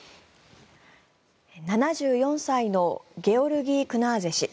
７４歳のゲオルギー・クナーゼ氏。